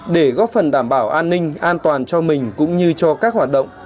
để góp phần đảm bảo an ninh an toàn cho mình cũng như cho các hoạt động